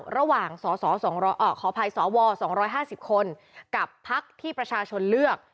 ระหว่างขออภัยสว๒๕๐คนกับพักที่ประชาชนเลือก